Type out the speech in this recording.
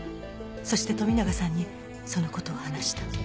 そして富永さんにそのことを話した。